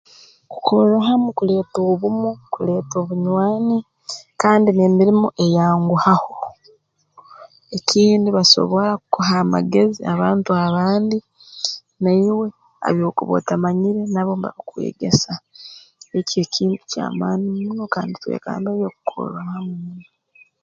Kukorra hamu kuleeta obumu kuleeta obunywani kandi n'emirimo eyanguhaho ekindi basobora kukuha amagezi abantu abandi naiwe ebyokuba otamanyire nabo mbabikwegesa ekyo ekintu ky'amaani muno kandi twekambege kukorra hamu muno